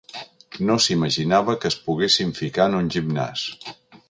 No s'imaginava que es poguessin ficar en un gimnàs.